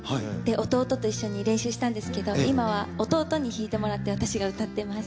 弟と一緒に練習したんですけど今は弟に弾いてもらって私が歌ってます。